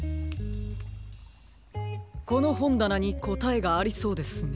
このほんだなにこたえがありそうですね。